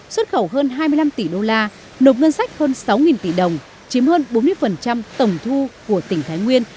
xuất khẩu hơn hai mươi năm tỷ đô la nộp ngân sách hơn sáu tỷ đồng chiếm hơn bốn mươi tổng thu của tỉnh thái nguyên